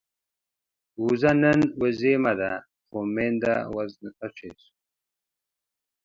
وزه نن وزيمه ده، خو مينده وز نشته